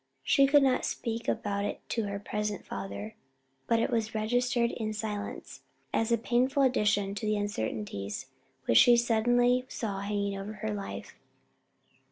She could not speak about it to her present father, but it was registered in silence as a painful addition to the uncertainties which she suddenly saw hanging over her life.